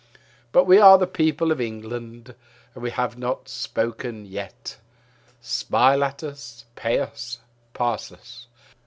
But we are the people of England; and we have not spoken yet. Smile at us, pay us, pass us.